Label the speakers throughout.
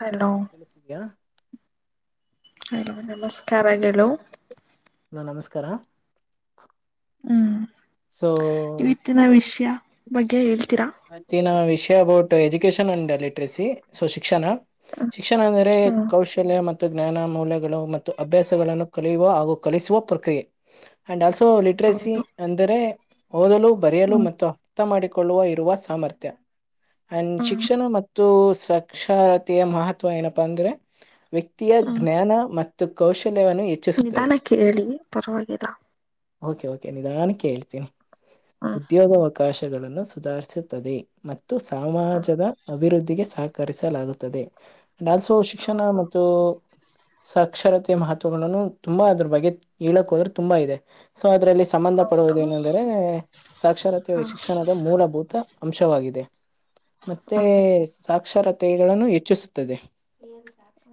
Speaker 1: Hello
Speaker 2: ಕೇಳಸ್ತಿದೀಯ
Speaker 1: hello ನಮಸ್ಕಾರಗಳು
Speaker 2: ನ ನಮಸ್ಕಾರ
Speaker 1: ಹ್ಮ್
Speaker 2: ಸೊ
Speaker 1: ಇವತ್ತಿನ ವಿಷಯ ಮಗ್ಗೆ ಹೇಳಿ
Speaker 2: ಮತ್ತಿನ ವಿಷಯ ಕೆ about education and literacy so ಶಿಕ್ಷಣ ಶಿಕ್ಷಣ ಅಂದ್ರೆ
Speaker 1: ಹ್ಮ್
Speaker 2: ಕೌಶಲ್ಯ ಮ ಜ್ಞಾನ ಮೌಲ್ಯಗಳು ಮತ್ತು ಅಭ್ಯಾಸಗಳನ್ನು ಕಲಿಯುವ ಹಾಗೂ ಕಲಿಸುವ ಪ್ರಕ್ರಿಯೆ ಆಂಡ್ ಆಲ್ಸೋ ಸೊ ಲಿಟ್ರೆಸಿ
Speaker 1: ಹೌದು
Speaker 2: ಅಂದರೆ ಓದಲು ಬರೆಯಲು
Speaker 1: ಹ್ಮ್
Speaker 2: ಮತ್ತು ಮಾಡಿಕೊಳ್ಳುವ ಇರುವ ಸಾಮರ್ಥ್ಯ ಅಂಡ್
Speaker 1: ಹ್ಮ್
Speaker 2: ಶಿಕ್ಷಣ ಮತ್ತು ಸಾಕ್ಷರತೆಯ ಮಹತ್ವ ಏನಪ್ಪಾ ಅಂದ್ರೆ ವಿಯ ಜ್ಞಾನ ಮತ್ತು ಮತ್ತು ಕುಶ
Speaker 1: ನಿಧಾನ ಕೇಳಿ ಪರವಾಗಿಲ್ಲ
Speaker 2: ನಿಧಾನ ಕೇಳ್ತೀನಿ
Speaker 1: ಹ್ಮ್
Speaker 2: ಉದ್ಯೋಗಾವಕಾಶ ಗಳನ್ನು ಸುಧಾರಿಸುತ್ತದೆ ಮತ್ತು
Speaker 1: ಹ್ಮ್
Speaker 2: ಸಮಾಜದ ಅಭಿವೃದ್ಧಿಗೆ ಸಾಕ ಕರಿಸಲಾಗುತ್ತದೆ ಡಾನ್ಸ್ ಶಿಕ್ಷಣ
Speaker 1: ಹೌದು
Speaker 2: ಮತ್ತು ಸಾಕ್ಷರತ ಮಹತ್ವಗಳನ್ನು ತುಂಬಾ ಅದ್ರ ಬಗ್ಗೆ ಹೇಳಕ್ ಹೋದ್ರೆ ತುಂಬಾ ಇದೆ ಸೊ ಅದ್ರಲ್ಲಿ ಸಂಬಂಧ ಪಡುವುದ
Speaker 1: ಹೌದು
Speaker 2: ಏನಂದ್ರೆ ಸಾಕ್ಷರತೆ
Speaker 1: ಹಾ
Speaker 2: ಶಿಕ್ಷಣದ ಮೂಲಭೂತ ಅಂಶವಾಗಿ ಇದೆ ಮತ್ತೆ
Speaker 1: ಹ್ಮ್
Speaker 2: ಸಾಕ ಅಕ್ಷರತೆಗಳನ್ನು ಹೆಚ್ಚಿಸುತ್ತದೆ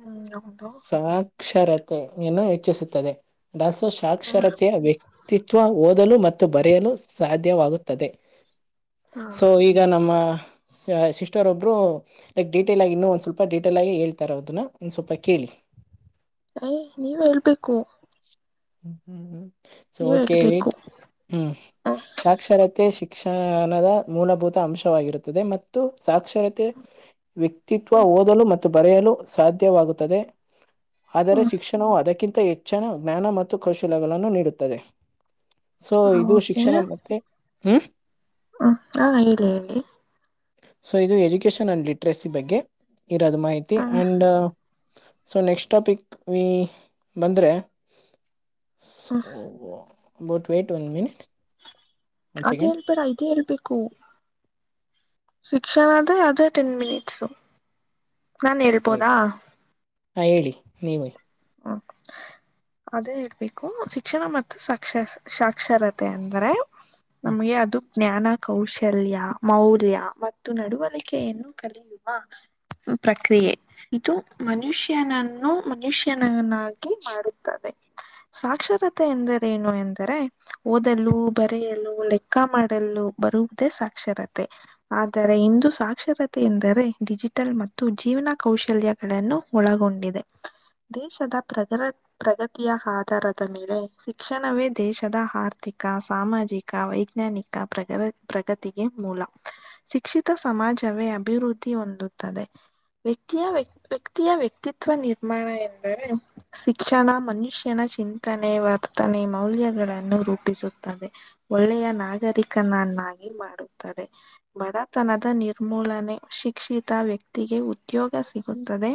Speaker 1: ಹ್ಮ್ ಹೌದು
Speaker 2: ಸಾತ್ ಅಕ್ಷರತೆಯನ್ನು ಹೆಚ್ಚಿಸುತ್ತದೆ ಡಾಸೋ ಸಾಕ್ಷರತೆಯ ವ್ಯಕ್ತಿತ್ವ ಓದ ಮತ್ತು ಬರೆಯನು ಸಾಧ್ಯವಾಗುತ್ತದೆ
Speaker 1: ಹಾ
Speaker 2: ಸೊ ಈಗ ನಮ್ಮ ಸಿಸ್ಟರ್ ಒಬ್ರು ಲೈಕ್ ಡೀಟೇಲ್ ಆಗಿ ಇನ್ನು ಒಂದ್ ಸ್ವಲ್ಪ ಡೀಟೇಲ್ ಆಗಿ ಹೇಳ್ತಾರ ಅದನ್ನ ಒಂದ್ ಸ್ವಲ್ಪ ಕೇಳಿ
Speaker 1: ಯ ನೀವ ಹೇಳ್ಬೇಕು
Speaker 2: ಹ್ಮ ಹ್ಮ್್ಮ ಸ
Speaker 1: ನೀವ್
Speaker 2: ಓಕೆ
Speaker 1: ಹೇಳ್ಬೇಕು
Speaker 2: ವೀಟ್ ಹ್ಮ್
Speaker 1: ಹ್ಮ್
Speaker 2: ಸಾಕ್ಷರತೆ ಶಿ ಶಿಕ್ಷಣದ ಮೂಲಭೂತ ಅಂಶವಾಗಿರುತ್ತದೆ ಮತ್ತು ಸಾಕ್ಷರತೆ ವ್ಯಕ್ತಿತ್ವ
Speaker 1: ಹ್ಮ್
Speaker 2: ಓದಲು ಮತ್ತು ಮತ್ತು ಬರೆಯಲು ಸಾಧ್ಯವಾಗುತ್ತದೆ ಆದರೆ
Speaker 1: ಹ್ಮ್
Speaker 2: ಶಿಕ್ಷಣವು ಅದಕ್ಕಿಂತ ಹೆಚ್ಚಿನ ಜ್ಞಾನ ಮತ್ತು ಕೌಶಲಗಳನ್ನು ನೀಡುತ್ತದೆ ಸೊ
Speaker 1: ಹಾ
Speaker 2: ಇದುಷಿ ಶಿಕ್ಷಣ ಮತ್ತೆ ಹ್ಮ
Speaker 1: ಹ್ಮ ಹಾಲ್ಲ ಲ್ಲಿ
Speaker 2: ಸೊ ಇದು ಎಜುಕೇಶನ್ ಅಂಡ್ ಲಿಟ್ರೇಸಿ ಬಗ್ಗೆ ಇರೋದು ಮಾಹಿತಿ
Speaker 1: hmm
Speaker 2: and so next topic ಈ ಬಂದ್ರೆ
Speaker 1: hmm
Speaker 2: oh about wait one minute one
Speaker 1: ಅದೇ
Speaker 2: ಸೆಕೆಂಡ್
Speaker 1: ಹೇಳ್ಬೇಡ ಇದೇ ಹೇಳ್ಬೇಕು ಶಿಕ್ಷಣ ಅದೇ ಅದೇ ಟೆನ್ ಮಿನಿಟ್ಸು ನಾನ್ ಹೇಳ್ಬೋದಾ
Speaker 2: ಹಾ ಹೇಳಿ ನೀವ
Speaker 1: ಹ್ಮ ಅದೇ ಹೇಳ್ಬೇಕು ಶಿಕ್ಷಣ ಮತ್ತು ಸಾಕ್ಷ ಸಾಕ್ಷರತೆ ಅಂದ್ರೆ
Speaker 2: ಹ್ಮ್
Speaker 1: ನಮ್ಗೆ ಅದು ಜ್ಞಾನ ಕೌಶಲ್ಯ ಮೌಲ್ಯ ಮತ್ತು ನಡುವಳಿಕೆಯನ್ನು ಕಲಿಯುವ ಪ್ರಕ್ರಿಯೆ ಇದು ಮನುಷ್ಯನನ್ನು ಮನುಷ್ಯ ನ ಮಾಡುತ್ತದೆ ಸಾಕ್ಷರತೆ ಎಂದರೇನು ಎಂದರೆ ಓದಲು ಬರೆಯಲು ಲೆಕ್ಕ ಮಾಡಲು ಬರುವುದೇ ಸಾಕ್ಷರತೆ ಆದರೆ ಇಂದು ಸಾಕ್ಷರತೆ ಎಂದರೆ ಡಿಜಿಟಲ್ ಮತ್ತು ಜೀವನ ಕೌಶಲ್ಯಗಳನ್ನು ಒಳಗೊಂಡಿದೆ ದೇಶದ ಪ್ರಗ ಪ್ರಗತಿಯ ಆಧಾರದ ಮೇಲೆ ಶಿಕ್ಷಣವೇ ದೇಶದ ಆರ್ಥಿಕ ಸಾಮಾಜಿಕ ವೈಜ್ಞಾನಿಕ ಪ್ರಗ ಪ್ರಗತಿಗೆ ಮೂಲ ಶಿಕ್ಷಿತ ಸಮಾಜವೇ ಅಭಿವೃದ್ಧಿ ಹೊಂದುತ್ತದೆ ವ್ಯಕ್ತಿಯ ವ್ಯಕ್ ವ್ಯಕ್ತಿಯ ವ್ಯಕ್ತಿತ್ವ ನಿರ್ಮಾಣ ಎ ಆದರೆ ಶಿಕ್ಷಣ ಮನುಷ್ಯನ ಚಿಂತನೆ ವರ್ತನೆ ಮೌಲ್ಯಗಳನ್ನು ರೂಪಿಸುತ್ತದೆ ಒಳ್ಳೆಯ ನಾಗರಿಕನನ್ನಾಗಿ ಮಾಡುತ್ತದೆ ಬಡತನದ ನಿರ್ಮೂಲನೆ ಶಿಕ್ಷಿತ ವ್ಯಕ್ತಿಗೆ ಉದ್ಯೋಗ ಸಿಗುತ್ತದೆ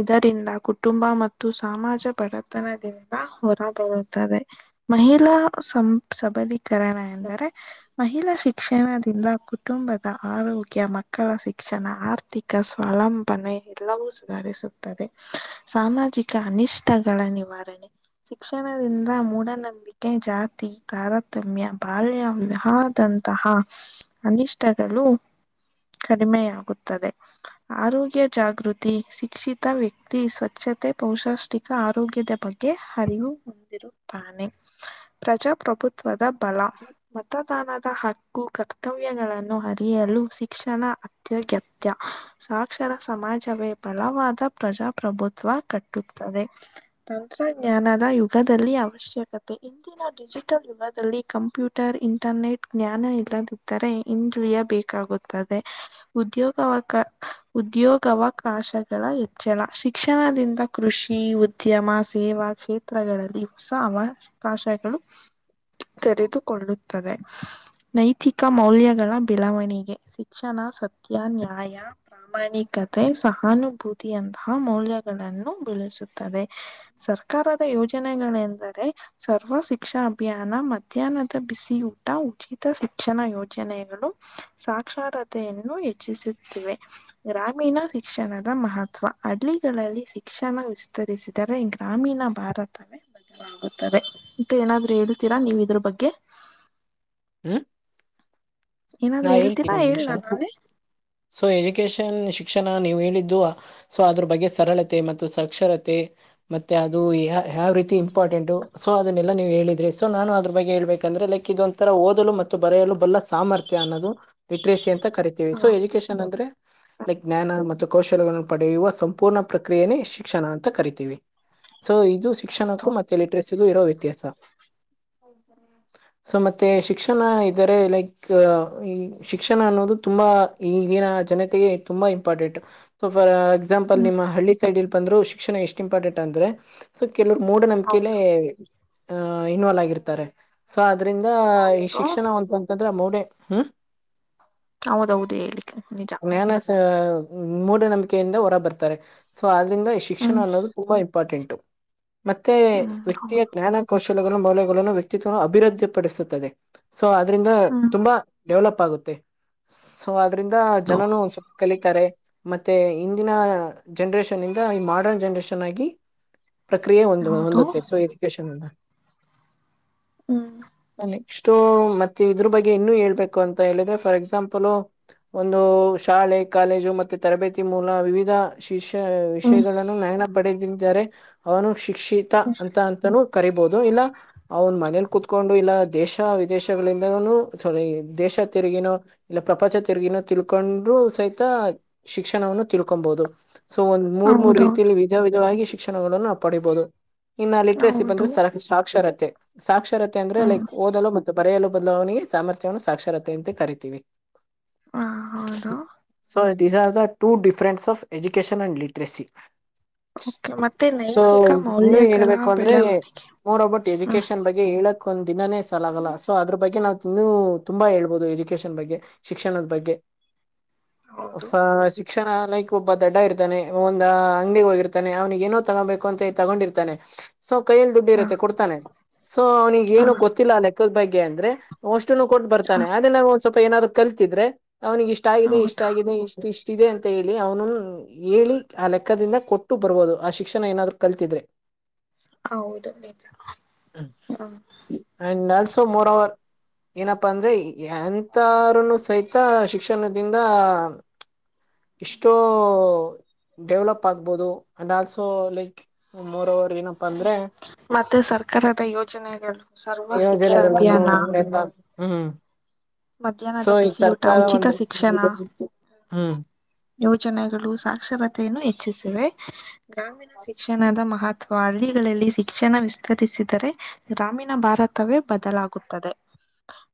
Speaker 1: ಇದರಿಂದ ಕುಟುಂಬ ಮತ್ತು ಸಮಾಮಾಜ ಬಡತನದಿಂದ ಹೊರಬರುತ್ತದೆ ಮಹಿಳಾ ಸಬಲೀ ಕರಣ ಎಂದರೆ ಮಹಿಳಾ ಶಿಕ್ಷಣದಿಂದ ಕುಟುಂಬದ ಆರೋಗ್ಯ ಮಕ್ಕಳ ಶಿಕ್ಷಣ ಆರ್ಥಿಕ ಸ್ವಲಂಬನೆ ಎಲ್ಲವೂ ಸುಧಾರಿಸುತ್ತದೆ ಸಾಮಾಜಿಕ ಅನಿಷ್ಟಗಳ ನಿವಾರಣೆ ಶಿಕ್ಷಣದಿಂದ ಮೂಢನಂಬಿಕೆ ಜಾತಿ ತಾರತಮ್ಯ ಬಾಲ್ಯ ವಿಹಾದಂತಹ ಅನಿಷ್ಟಗಳು ಕಡಿಮೆಯಾಗುತ್ತದೆ ಆರೋಗ್ಯ ಜಾಗೃತಿ ಶಿಕ್ಷಿತ ವ್ಯಕ್ತಿ ಸ್ವಚ್ ಸ್ವಚ್ಛತೆ ಪೌಷಾಷ್ಟಿಕ ಆರೋಗ್ಯದ ಬಗ್ಗೆ ಅರಿವು ಹೊಂದಿರುತ್ತಾನೆ ಪ್ರಜಾಪ್ರಭುತ್ವದ ಬಲ ಮತದಾನದ ಹತ್ತು ೂ ಕರ್ತವ್ಯಗಳನ್ನು ಅರಿಯಲು ಶಿಕ್ಷಣ ಅತ್ಯಗತ್ಯ ಸಾಕ್ಷರ ಸಮಾಜವೇ ಬಲವಾದ ಪ್ರಜಾಪ್ರಭುತ್ವ ಕಟ್ಟುತ್ತದೆ ತಂತ್ರಜ್ಞಾನದ ಯುಗದಲ್ಲಿ ಅವಶ್ಯಕತೆ ಇಂದಿನ ಡಿಜಿಟಲ್ ಯುಗದಲ್ಲಿ ಕಂಪ್ಯೂಟರ್ ಇಂಟರ್ನೆಟ್ ಜ್ಞಾನ ಇಲ್ಲದಿದ್ದರೆ ಹಿಂದುಳಿಯಬೇಕೇಕಾಗುತ್ತದೆ ಉದ್ಯೋಗಕ ಉದ್ಯೋಗಾವಕಾಶಗಳ ಹೆಚ್ಚಳ ಶಿಕ್ಷ ಶಿಕ್ಷಣದಿಂದ ಕೃಷಿ ಉದ್ಯಮ ಸೇವಾ ಕ್ಷೇತ್ರಗಳಲ್ಲಿ ಹೊಸ ಅವಕಾಶಗಳು ತೆರೆದುಕೊಳ್ಳುತ್ತದೆ ನೈತಿಕ ಮೌಲ್ಯಗಳ ಬೆಳವಣಿಗೆ ಶಿಕ್ಷಣ ಸತ್ಯ ನ್ಯಾಯ ಪ್ರಾಮಾಣಿಕತೆ ಸಹಾನುಭೂತಿಯಂತಹ ಮೌಲ್ಯ ಗಳನ್ನು ಬೆಳೆಸುತ್ತದೆ ಸರ್ಕಾರದ ಯೋಜನೆಗಳೆಂದರೆ ಸರ್ವ ಶಿಕ್ಷಣ ಅಭಿಯಾನ ಮಧ್ಯಾಹ್ನದ ಬಿಸಿಯೂಟ ಉಚಿತ ಶಿಕ್ಷಣ ಯೋಜನೆಗಳು ಸಾಕ್ಷರತೆಯನ್ನು ಹೆಚ್ಚಿಸುತ್ತಿವೆ ಗ್ರಾಮೀಣ ಶಿಕ್ಷಣದ ಮಹತ್ವ ಅಲಿ ಗಳಲ್ಲಿ ಶಿಕ್ಷಣ ವಿಸ್ತರಿಸಿದರೆ ಗ್ರಾಮೀಣ ಭಾರತವೇ ಬದಲಾಗುತ್ತದೆ ಇಂತ ಏನಾದ್ರು ಹೇಳ್ತೀರಾ ನೀವು ಇದ್ರ ಬಗ್ಗೆ
Speaker 2: ಹ್ಮ
Speaker 1: ಏನಾದ್ರು
Speaker 2: ಹಾ
Speaker 1: ಹೇಳ್ತೀರಾ
Speaker 2: ಹೇಳ್ತೀವಿ ಒಂದ
Speaker 1: ಹೇಳ
Speaker 2: ನಿಮಿಷ
Speaker 1: ನಾನೇ
Speaker 2: ಸೊ ಎಜುಕೇಶನ್ ಶಿ ಶಿಕ್ಷಣ ನೀವು ಹೇಳಿದ್ದು ಸೊ ಅದ್ರ ಬಗ್ಗೆ ಸರಳತೆ ಮತ್ತು ಸಾಕ್ಷರತೆ ಮತ್ತೆ ಅದು ಯ ಯಾವ ರೀತಿ ಇಂಪಾರ್ಟೆಂಟ್ು ಸೊ ಅದನ್ನೆಲ್ಲ ನೀವು ಹೇಳಿದ ಸೊ ನಾನು ಅದ ಬಗ್ ಹೇಳ್ಬೇಕಂದ್ರೆ ಲೈಕ್ ಇದೊಂಂತರ ಓದಲು ಮತ್ತು ಬೆಯಲು ಬಲ್ಲ ಸಾಮರ್ಥ್ಯ ಅನ್ನೋದು ಲಿಟ್ರೇಸಿ ಅಂತ ಕರಿತೀವಿ ಸೊ
Speaker 1: ಹ
Speaker 2: ಎಜುಕೇಶನ್ ಅಂದ್ರೆ ಲೈಕ್ ಜ್ಞಾನ ಮತ್ತು ಕೌಶಲಗಳನ್ನು ಪಡೆಯುವ ಸಂಪೂರ್ಣ ಪ್ರಕ್ರಿಯೆನೇ ಶಿಕ್ಷಣ ಅಂತ ಕರಿತೀವಿ ಸೊ ಇದು ಶಿಕ್ಷಣಕ್ಕೂ
Speaker 1: ಹೌದು
Speaker 2: ಮತ್ತೆ ಲಿಟ್ರೇಸಿಗೂ ಇರೋ ವ್ಯತ್ಯಾಸ [unintelligible] ಸೊ ಮತ್ತೆ ಶಿಕ್ಷಣ ಇದ್ದಾರೆ ಲೈಕ್ ಈ ಶಿಕ್ಷಣ ಅನ್ನೋದು ತುಂಬ ಈಗಿನ ಜನತೆಗೆ ತುಂಬ ಇಂಪಾರ್ಟೆಂಟ್ [unintelligible] ಎಕ್ಸಾಂಪಲ್
Speaker 1: ಹ್ಮ್
Speaker 2: ನಿಮ್ಮ ಹಳ್ಳಿ ಸೈಡ್ ಇ ಬಂದ್ರು ಶಿಕ್ಷಣ ಎಷ್ಟು ಇಂಪಾರ್ಟೆಂಟ್ ಅಂದ್ರೆ ಕೆಲವರು ಮೂಢ ನಂಬಿಕೆಲ್ಲೇ
Speaker 1: ಹೌದು
Speaker 2: ಆ ಇನ್ವಾಲ್ವ್ ಆಗಿರ್ತಾರೆ ಸೊ [inaudible] ಅದ್ರಂದ ಈ
Speaker 1: ಹೌದು
Speaker 2: ಶಿಕ್ಷಣ ಅಂತ ಂದ್ರ ಮೋಡೆ ಹ್ಮ
Speaker 1: ಹೌದೌದು ಹೇಳಿಕ್ಕೆ ನಿಜ
Speaker 2: ಜ್ಞಾನ ಸ- ಮೂಢನಂಬಿಕೆಯಿಂದ ಹೊರ ಬರ್ತಾರೆ ಸೊ ಂದ ಶಿಕ್ಷಣ
Speaker 1: ಹ್ಮ್
Speaker 2: ಅನ್ನೋದು ತುಂಬಾ ಇಂಪಾರ್ಟೆಂಟ್. ಪ್ಪ. ಮತ್ತೆ
Speaker 1: ಹ್ಮ್
Speaker 2: ವ್ಯಕ್ತಿಯ
Speaker 1: ಹೌದು
Speaker 2: ಜ್ಞಾನಕೋಶ. ಮೌಲ್ಯಗಳನ್ನು ವ್ಯಕ್ತಿತ್ವವನ್ನು ಅಭಿವೃದ್ಧಿಪಡಿಸುತ್ತದೆ. ಸೊ ಅದ್ರಿಂದ
Speaker 1: ಹ್ಮ್
Speaker 2: ಡೆವಲಪ್ ಆಗುತ್ತೆ ಸೊ ಅದ್ರಂದ ಜನನು ಒ ಸ್ವಲ್ಪ ಕಲಿಿಕ ಮತ್ತೆ ಇಂದಿನ ಜನರೇಷನ್ ಇಂದ ಈ ಮಾಡ್ರನ್ ಜನರೇಷನ್ ಆಗಿ ಪ್ರಕ್ರಿಯೆ ಒಂದು
Speaker 1: ಹೌದು
Speaker 2: ಹೊಂದುತ್ತೆ ಸೊ ಎಜುಕೇಶನ್ ಅ
Speaker 1: ಹ್ಮ್
Speaker 2: ಇಷ್ಟೋ ಮತ್ತೆ ಇದ್ರ ಬಗ್ಗೆ ಇನ್ನು ಹೇಬೇಕು ಅಂತ ಹೇಳಿದ್ರೆ ಫಾರ್ ಎಕ್ಸಾಂಪಲ್ ಒಂದು ಶಾಲೆ ಕಾಲೇಜು ಮೆ ತರಬೇತಿ ಮೂಲ ವಿವಿಧ ವಿಷ
Speaker 1: ಹ್ಮ್
Speaker 2: ವಿಷಯಗಳನ್ನು ನಯನ ಪಡೆದಿದ್ದಾರೆ ಅವನು ಶಿಕ್ಷಿತ ಅಂತ ಅಂತನೂ ಕರಿಬಹುದು ಇಲ್ಲ ಅವನ್ ಮನೇಲಿ ಕುೂತ್ಕೊಂಡು ಇಲ್ಲ ದೇಶ ವಿದೇಶಗಳಿಂದನು ಸಾರಿ ದೇಶ ತಿರುಗಿನೋ ಇಲ್ಲ ಪ್ರಪಂಚ ತಿರುಗಿನೋ ತಿಳ್ಕೊಂಡ್ರರು ಸಹಿತ ಶಿಕ್ಷಣವನ್ನು ತಿಳ್ಕೊಬಹುದು ಸೊ ಒಂದ್ ಮೂರ್ ಮೂರ್ ರೀತಲ್ಲಿ
Speaker 1: ಹೌದೌದು
Speaker 2: ವಿಧ ವಿಧವಾಗಿ ಶಕ್ಷಣಗಳನ್ನು ನಾವು ಪಡಿಬೋದು ಇನ್ನ ಲಿಟ್ರೇಸಿ
Speaker 1: ಹೌದು
Speaker 2: ಬಂದ್ರೆ ಸರ ಸಾಾಕ್ಷರತೆ ಸಾಕ್ಷತ್ ರುತ್ತ ಅಂದ್ರೆ
Speaker 1: ಹ್ಮ್
Speaker 2: ಲೈಕ್ಓದಲು ಬ ಇರೆಯಾಲಲ್ಲ ಬದಲಾವನಿಗೆ ಸಾಮರ್ಥ್ಯವನ್ನು ಸಾಕ್ಷರತೆಯಂತೆ ಕರಿತೀವಿ
Speaker 1: ಹಾ ಹೌದು
Speaker 2: ಸೊ ದೀಸ್ ಆರ್ ದ ಟ difference of education and literacy
Speaker 1: okay ಮತ್ತೆ
Speaker 2: ಸೊ
Speaker 1: ನೈತಿಕ
Speaker 2: ಇನ್ನು
Speaker 1: ಮೌಲ್ಯಗಳ
Speaker 2: ಹೇಳ್ಬೇಕು ಅಂದ್ರೆ
Speaker 1: ಬೆಳವಣಿಗೆ
Speaker 2: ಮೂೋಬಟ್
Speaker 1: ಹ್ಮ್
Speaker 2: ಎಜುಕೇಶನ್ ಬಗ್ಗೆ ಹೇಳ ಒಂದ್ ದಿನಾನೇ ಸಾಲಾಗಲ್ಲ ಸೊ ಅದ್ರ ಬಗ್ಗೆ ನಾವವು ಇನ್ನು ತುಂಬಾ ಹೇಳ್ಬೋದು ಎಜುಕೇಶನ್ ಬಗ್ಗೆ ಶಿಕ್ಷಣದ ಬಗ್ಗೆ
Speaker 1: ಹೌದು
Speaker 2: ಫಾ ಸಿ ಶಿಕ್ಷಣ ಲೈಕ್ ಒಬ್ಬ ದಡ್ಡ ಇರ್ತಾನೆ ಒಂದ ಅಂಗಡಿ ಹೋಗಿರ್ತಾನೆ ಅವ್ನಿಗೆ ಏನೋ ತಗೋಬೇಕು ಅಂತ ತಗೊಂಡಿರ್ತಾನೆ ಸೊ ಕೈಯಲ್ಲಿ ದುಡ್ಡು
Speaker 1: ಹ
Speaker 2: ಇರುತ್ತೆ ಕೊಡ್ತಾನೆ ಸೊ ಅವ್ನಿಗೆ
Speaker 1: ಹ
Speaker 2: ಏನು ಗೊತ್ತಿಲ್ಲ ಅಲೆಕ್ ದ ಬಗ್ಗೆ ಅಂದ್ರೆ ಷ್ಟ ಕೊಟ್ಟ
Speaker 1: ಹ
Speaker 2: ಬತಾನೆ ಆದದೆ ನ ಒಪ ಏನಾದ್ರು ಕಲ್ತಿದ್ರೆ. ಅವ್ನಿಗೆ ಇಷ್ಟ ಆಗಿದೆ ಇಷ್ಟ
Speaker 1: ಹೌದು
Speaker 2: ಆಗಿದೆ ಇಷ್ಟು ಇಷ್ಟ. ಷ್ಟ ಇದೆ ಅಂತ ಹೇಳಿ ಅವ್ನು ಹೇಳಿ ಆ ಲೆಕ್ಕದಿಂದ ಕೊಟ್ಟು ಬರ್ಬೋದು ಆ ಶಿಕ್ಷಣ ಏನಾದ್ರು ಕಲ್ತಿದ್ರೆ.
Speaker 1: ಹೌದು ನಿಜ ಹಾ.
Speaker 2: ಸೊ ಮರರ್. ಏನಪ್ಪಾ ಅಂದ್ರೆ ಎಂತಾರನು ಸಹಿತ ಶಿಕ್ಷಣದಿಂದ ಇಷ್ಟೋ ಡೆವ್ಲಪ್ ಆಗ್ಬೋದು and also like more hour.
Speaker 1: ಮತ್ತು ಸರ್ಕಾರದ ಯೋಜನೆಗಳು ಸರ್ವ ಶಿಕ್ಷಾ ಅಭಿಯಾನ.
Speaker 2: ಹಾ.
Speaker 1: ಮಧ್ಯಾಹ್ನದ ಬಿಸಿಯೂಟ ಉಚಿತ ಶಿಕ್ಷಣ
Speaker 2: ಹ್ಮ್
Speaker 1: ಯೋಜನೆಗಳು ಸಾಕ್ಷರತೆ. ಹೆಚ್ಚಿಸಿವೆ. ಗ್ರಾಮೀಣ ಶಿಕ್ಷಣದ ಮಹತ್ವ. ಅಥವಾ ಹಳ್ಳಿಗಳಲ್ಲಿ ಶಿಕ್ಷಣ ವಿಸ್ತರಿಸಿದರೆ ಗ್ರಾಮೀಣ ಭಾರತವೇ ಬದಲಾಗುತ್ತದೆ.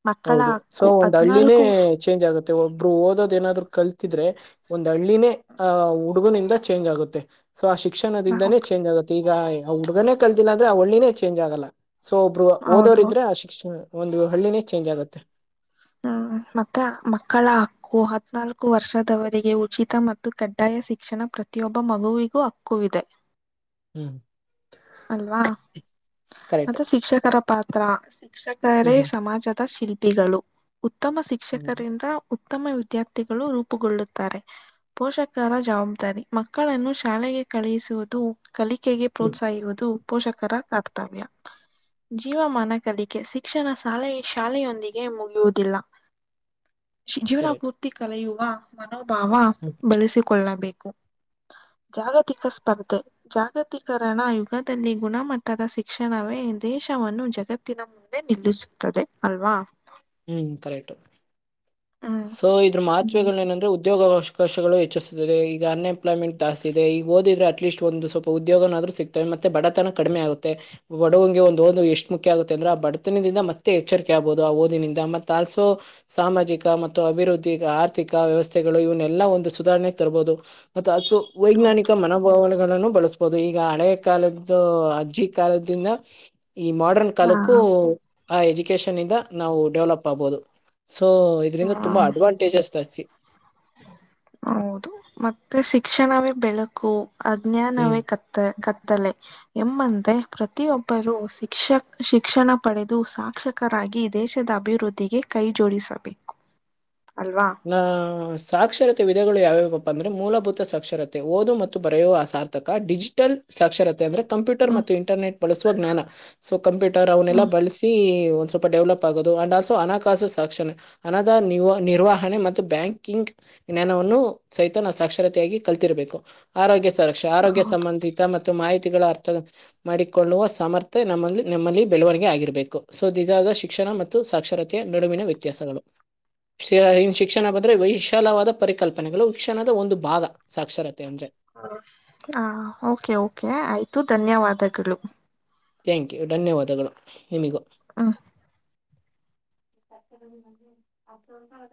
Speaker 1: ಮಕ್ಕಳಾ.
Speaker 2: ಹೌದು ಸೊ ಒಂದ್ ಹಳ್ಳಿನೇ ಚೇಂಜ್ ಆಗೆ. ಒಬ್ರು ಓದೋದ ನಾದ್ರು ಕಲ್ತಿದ್ರೆ ಒ. ದಳ್ಳಿನೇ ಅಹ್ ಹುಡುಗನಿಂದ. ಚೇಂಜ್ ಆಗುತ್ತೆ. ಸೊ ಆ ಶಿಕ್ಷಣದಿಂದನೇ ಚೇಂಜ್ ಆಗುತ್ತ ಈಗ. ಈಗ ಹುಡ್ಗನೇ ಕಲ್ತೀಿನ ಆದ್ರೆ ಒಳ್ಳಿನೇ ಚೇಂಜ್ ಆಗಲ್ಲ. ಸೊ ಒಬ್ರು ಓದೋರ
Speaker 1: ಹೌದು
Speaker 2: ಇದ್ರೆ ಆ ಶಿಕ್ಷಣ. ಒಂದು ಹಳ್ಳಿನ. ಚೇಂಜ್ ಆಗುತ್ತೆ.
Speaker 1: ಹ್ಮ್ ಮತ್ತೆ ಮಕ್ಕಳ ಹಕ್ಕು ಹತ್ನಾಲ್ಕು ವರ್ಷದವರಿಗೆ ಉಚಿತ ಮತ್ತು ಕಡ್ಡಾಯ ಶಿಕ್ಷಣ ಪ್ರತಿಯೊಬ್ಬ ಮಗುವಿಗೂ ಹಕ್ಕ ಇಿದೆ.
Speaker 2: ಹ್ಮ್
Speaker 1: ಅಲ್ವಾ
Speaker 2: ಕರೆಕ್ಟ್
Speaker 1: ಮತ್ತೆ ಶಿಕ್ಷಕರ ಪಾತ್ರ. ಹ್ಮ್ಮ್.
Speaker 2: ಹ್ಮ್
Speaker 1: ಶಿಕ್ಷಕರೇ ಸಮಾಜದ ಶಿಲ್ಪಿ. ಒಪ್ಪಿಗಳು. ಉತ್ತಮ
Speaker 2: ಹ್ಮ್
Speaker 1: ಶಿಕ್ಷಕರಿಂದ. ಉತ್ತಮ ವಿದ್ಯಾರ್ಥಿಗಳು ರೂಪುಗೊಳ್ಳುತ್ತಾರೆ ಪೋಷಕರ ಜವಾಬ್ದಾರಿ ಮಕ್ಕಳನ್ನು ಶಾಲೆಗೆ ಕಳುಹಿಸುವುದು. ಕಲಿಕೆಗೆ
Speaker 2: ಹ್ಮ್
Speaker 1: ಪ್ರೋತ್ಸಾಹಿಸುವುದು. ಪೋಷಕರ ಕರ್ತವ್ಯ ಜೀವಮನಕಲಿಕೆ ಶಿಕ್ಷಣ ಶಾಲೆ ಶಾಲೆಯೊಂದಿಗೆ ಮುಗಿಯುವುದು. ಇಲ್ಲ.
Speaker 2: ಕರೆಕ್ಟ್
Speaker 1: ಜೀವನಾಪೂರ್ತಿ ಕಲೆಯು ಹಾ ಮತ್ತೆ. ನಮ್ಮ ಭಾವ
Speaker 2: ಹ್ಮ್
Speaker 1: ಬಳಸಿಕೊಳ್ಳಬೇಕು ಜಾಗತಿಕ ಸ್ಪರ್ಧೆ ಜಾಗತೀಕರಣ ಯುಗದಲ್ಲಿ ಗುಣಮಟ್ಟದ ಶಿಕ್ಷಣವೇ ದೇಶವನ್ನು ಜಗತ್ತಿನ ಮುಂದೆ ನಿಲ್ಲಿಸುತ್ತದೆ ಅಲ್ವಾ
Speaker 2: ಹೂ ಕರೆಕ್ಟ್
Speaker 1: ಹ್ಮ್
Speaker 2: ಸೊ ಇದ್ರ ಮತ್ವಗಳು ಏನಂದ್ರೆ ಉದ್ದ ಉದ್ಯೋಗ ಅವಕಾಶಗಳು ಹೆಚ್ಚಿಸುತ್ತದೆ ಈಗ ಅನ್ಎಂಪ್ಲಾಯ್ಮೆಂಟ್ ಜಾಸ್ತಿ ಇದೆ ಈಗ ಓದಿದ್ರೆ ಅಟ್ಲೀಸ್ಟ್ ಒಂದು ಸ್ವಲ್ಪ ಉದ್ಯೋಗನಾದ್ರೂ ಸಿಗ್ತವೆ ಮತ್ತೆ ಬಡತನ ಕಡಿಮೆ ಆಗುತ್ತೆ ಬಡವಿಗೆ ಒಂದು ಓ ಎಷ್ಟು ಮುಖ್ಯ ಆಗುತ್ತೆ ಅಂದ್ರೆ ಆ ಬಡತನದಿಂದ ಮತ್ತೆ ಎಚ್ಚರಿಕೆ ಆಗ್ಬಹುದು ಆ ಓದಿನಿಂದ ಮತ್ತೆ ಆಲ್ಸೋ ಸಾಮಾಜಿಕ ಮತ್ತು ಅಭಿವೃದ್ಧಿ ಆರ್ಥಿಕ ವ್ಯವಸ್ಥೆಗಳು ಇವನ್ನೆಲ್ಲಾ ಒಂದು ಸುಧಾರಣೆಗೆ ತರಬಹದು ಮ ಸೊ ವೈಜ್ಞಾನಿಕ ಮನೋಭಾವನೆಗಳನ್ನು ಬಳಸಬಹುದು ಈಗ ಹಳೆಯ ಕಾಲದ ಅಜ್ಜಿ ಕಾಲದಿಂದ ಈ ಮೋಡ್ರನ್ ಕಾಲಕ್ಕೂ ಆ ಇ ಎಜುಕೇಶನ್ ಇಂದ ನಾವು ಡೆವಲಪ್ ಆಗ್ಬಹುದು ಸೊ ಇದರಿಂದ ತುಂಬಾ
Speaker 1: ಹೌದು.
Speaker 2: ಅಡ್ವಾಂಟೇಜಸ್ ಅತಿ
Speaker 1: ಹೌದು ಮತ್ತೆ ಶಿಕ್ಷಣವೇ ಬೆಳಕು
Speaker 2: ಹ್ಮ್
Speaker 1: ಅಜ್ಞಾನವೇ ಕತ್ತ ಕತ್ತಲೆ ಎಮ್ಮಂದ ಪ್ರತಿಯೊಬ್ಬರೂ ಶಿಕ್ಷಕ್ ಶಿಕ್ಷಣ ಪಡೆದು ಸಾಕ್ಷಕರಾಗಿ ದೇಶದ ಅಭಿವೃದ್ಧಿಗೆ ಕೈಜೋಡಿಸಬೇಕು
Speaker 2: ನಾ ಸಾಕ್ಷರತೆ ವಿಧೆಗಳು ಯಾವ್ಯಾವಪ್ಪ ಅಂದ್ರೆ ಮೂಲಭೂತ ಸಾಕ್ಷರತೆ ಓದು ಮತ್ತು ಬರೆಯುವ ಆ ಸಾರ್ಥಕ ಡಿಜಿಟಲ್ ಸಾಕ್ಷರತೆ ಅಂದರೆ ಕಂಪ್ಯೂರ್
Speaker 1: ಹ್ಮ್
Speaker 2: ಮತ್ತು ಇಂಟರ್ನೆಟ್ ಬಳಸಿ ಜ್ಞಾನ ಸೊ ಕಂಪ್ಯೂಟರ್ ಅವನ್ನೆಲ್ಲಾ
Speaker 1: ಹ್ಮ್
Speaker 2: ಬಳಸಿ ಸ್ವಲ್ಪ ಡೆವಲಪ್ ಆಗೋದು ಅಂಡ್ ಆಲ್ಸೋ ಹಣಕಾಸು ಸಾಕ್ಷಣ ಹನಾದ ನಿರ್ವಾಹ ಮತ್ತು ಬ್ಯಾಂಕಿಂಗ್ ಜ್ಞಾನವನ್ನು ಸಹಿತ ನಾವು ಸಾಕ್ಷರತೆಯಾಗಿ ಕಲ್ತಿರಬೇಕು ಆರೋಗ್ಯ ಸರ ಆರೋಗ್ಯ
Speaker 1: ಹೌದು
Speaker 2: ಸಂಬಂಧಿತ ಮತ್ತು ಮಾಹಿತಿ ರ್ಥ ಮಾಡಿಕೊಳ್ಳುವ ಸಾಮರ್ಥ್ಯ ನಮ್ಮಲ್ಲಿ ನಮ್ಮಲ್ಲಿ ಬೆಳವಣಿಗೆ ಆಗಿರಬೇಕು ಸೊ ಇದಾದ ಶಿಕ್ಷಣ ಮತ್ತು ಸಾಕ್ಷರತೆಯ ನಡುವಿನ ವ್ಯತ್ಯಾಸಗಳು ಶ್ರ ಶಿಕ್ಷಣ ಬಂದ್ರೆ ವಿಶಾಲವಾದ ಪರಿಕಲ್ಪನೆಗಳು ಶಿಕ್ಷಣದ ಒಂದು ಭಾಗ ಸಾಕ್ಷರತೆ ಅಂದ್ರೆ
Speaker 1: ಹ ಕೆ ಓಕೆ ಆಯ್ತು ಧನ್ಯವಾದ ಪದಕ್ಕಳು
Speaker 2: ತ್ಯ್ಯಾಂಕ್ ಯು ಧನ್ಯವಾದಗಳು ನಿಮಗೂ
Speaker 1: ಹ್ಮ್
Speaker 2: ಅ